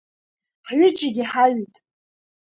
Ҳҩыџьегьы ҳаҩит…